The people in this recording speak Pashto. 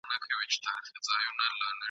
یوه ورځ یې یوه زرکه وه نیولې !.